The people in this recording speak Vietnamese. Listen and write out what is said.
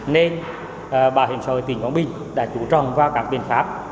nên bảo hiểm xã hội tỉnh quảng bình đã trú trọng qua các biện pháp